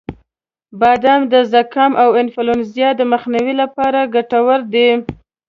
• بادام د زکام او انفلونزا د مخنیوي لپاره ګټور دی.